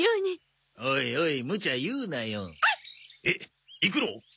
えっ行くの？